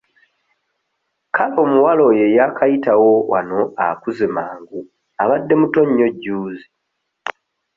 Kale omuwala oyo eyaakayitawo wano akuze mangu abadde muto nnyo jjuuzi.